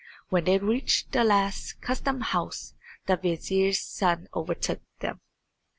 When they reached the last custom house the vizier's son overtook them.